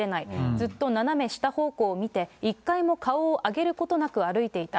ずっと斜め下方向を見て、一回も顔を上げることなく歩いていた。